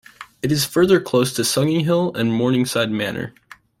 It is further close to Sunninghill and Morningside Manor.